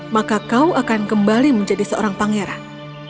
maka kau akan kembali menjadi seorang pangeran